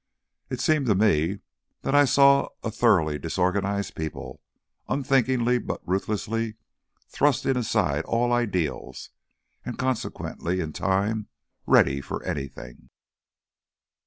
It seemed to me that I saw a thoroughly disorganized people, unthinkingly but ruthlessly thrusting aside all ideals, and consequently in time ready for anything."